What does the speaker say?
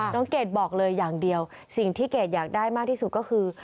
เกดบอกเลยอย่างเดียวสิ่งที่เกดอยากได้มากที่สุดก็คือ